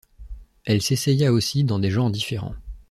Elle s'essaya aussi dans des genres différents.